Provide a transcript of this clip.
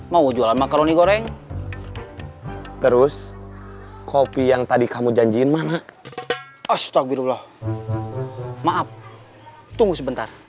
mau jual makaroni goreng terus kopi yang tadi kamu janjiin mana ohstabillah maaf tunggu sebentar